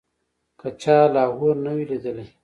که چا لاهور نه وي لیدلی.